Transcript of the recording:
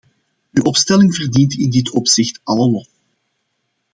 Uw opstelling verdient in dit opzicht alle lof.